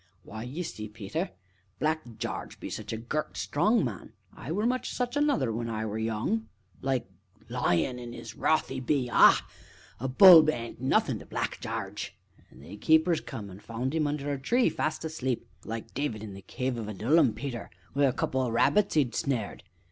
"Why, ye see, Peter, Black Jarge be such a gert, strong man (I were much such another when I were young) like a lion, in 'is wrath, 'e be ah! a bull bean't nothin' to Black Jarge! An' they keepers come an' found 'im under a tree, fast asleep like David in the Cave of Adullam, Peter, wi' a couple o' rabbits as 'e'd snared.